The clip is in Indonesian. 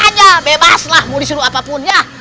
sok aja bebas lah mau disuruh apapun ya